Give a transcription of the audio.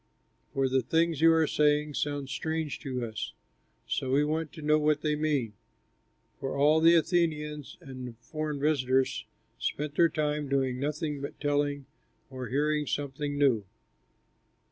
For the things you are saying sound strange to us; so we want to know what they mean." (For all the Athenians and the foreign visitors spent their time doing nothing but telling or hearing something new.)